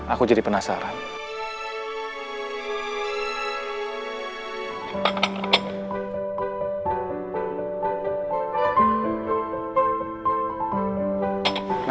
aku jadi penasaran